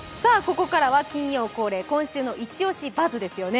ここからは金曜恒例「今週のイチオシバズ！」ですね。